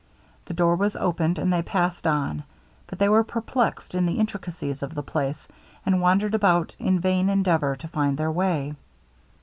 The door was opened, and they passed on; but they were perplexed in the intricacies of the place, and wandered about in vain endeavour to find their way.